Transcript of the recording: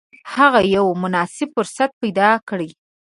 هغه یو مناسب فرصت پیدا کړي.